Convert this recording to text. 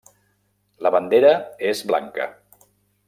La bandera és blanca.